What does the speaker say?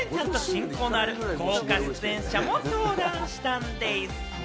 水谷さんと親交のある豪華出演者も登壇したんでぃす！